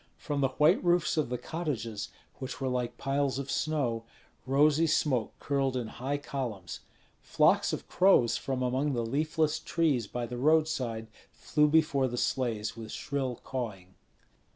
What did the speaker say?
From the white roofs of the cottages, which were like piles of snow, rosy smoke curled in high columns. Flocks of crows from among the leafless trees by the roadside flew before the sleighs with shrill cawing.